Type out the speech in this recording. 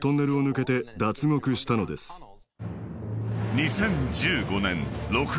［２０１５年６月６日］